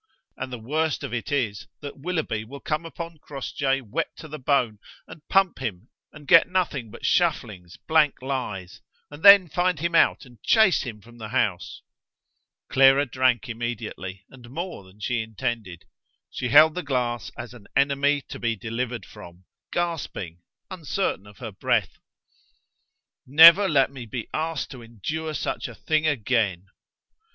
"And the worst of it is, that Willoughby will come upon Crossjay wet to the bone, and pump him and get nothing but shufflings, blank lies, and then find him out and chase him from the house." Clara drank immediately, and more than she intended. She held the glass as an enemy to be delivered from, gasping, uncertain of her breath. "Never let me be asked to endure such a thing again!"